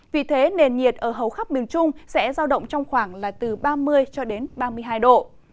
vì thế nền nhiệt ở hầu khắp miền trung sẽ giao động trong khoảng là từ ba mươi cho đến ba mươi hai độ